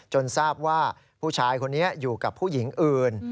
ทราบว่าผู้ชายคนนี้อยู่กับผู้หญิงอื่น